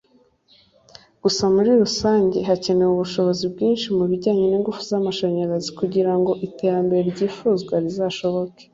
gusa muri rusange hacyakenewe ubushobozi bwinshi mu bijyanye n’ingufu z’amashanyarazi kugira ngo iterambere ryifuzwa rizashoboke”